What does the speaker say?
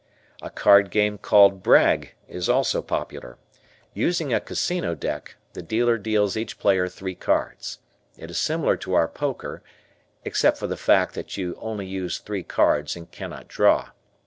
A card game called "Brag" is also popular. Using a casino deck, the dealer deals each player three cards. It is similar to our poker, except for the fact that you only use three cards and cannot draw.